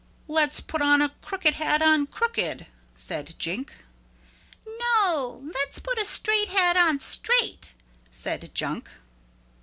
"Let's put a crooked hat on crooked," said Jink. "No, let's put a straight hat on straight," said Junk.